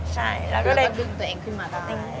ใช่เราก็เลยแล้วก็ดึงตัวเองขึ้นมาต่าง